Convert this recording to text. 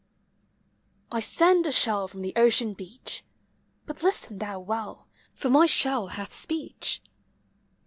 I bend a shell from the ocean beach; Hut listen thou well, for mv shell hath speech.